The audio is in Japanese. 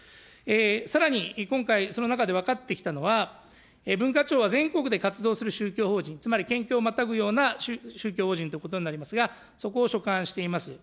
さらに今回、その中で分かってきたのは、文化庁は全国で活動する宗教法人、つまり県境をまたぐような宗教法人ということになりますが、そこを所管しています。